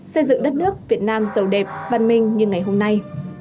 xây dựng đất nước việt nam giàu đẹp văn minh như ngày hôm nay